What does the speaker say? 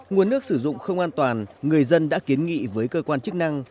nguồn nước sử dụng không an toàn người dân đã kiến nghị với cơ quan chức năng